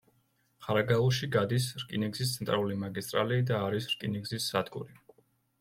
ხარაგაულში გადის რკინიგზის ცენტრალური მაგისტრალი და არის რკინიგზის სადგური.